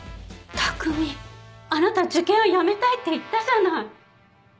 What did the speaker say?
匠あなた受験をやめたいって言ったじゃない。